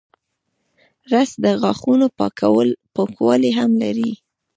رس د غاښونو پاکوالی هم لري